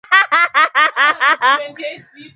okeo ya kura ya maoni nchini niger yanaonyesha